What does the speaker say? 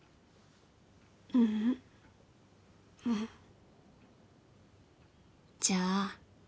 ううんもうじゃあ